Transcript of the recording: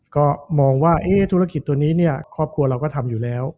ก็มองว่าธุรกิจตัวนี้เนี่ยครอบครัวเราก็ทำอยู่แล้ว